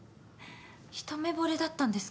一目ぼれだったんですか？